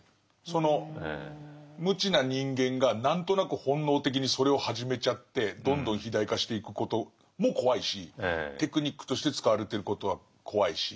その無知な人間が何となく本能的にそれを始めちゃってどんどん肥大化していくことも怖いしテクニックとして使われてることは怖いし。